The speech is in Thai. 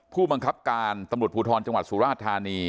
ผู้บังคับการตำรวจภูทรจังหวัดสุราชธานี